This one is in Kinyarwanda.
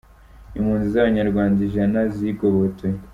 Impunzi z’Abanyarwanda ijana zigobotoye